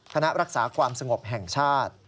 รักษาความสงบแห่งชาติ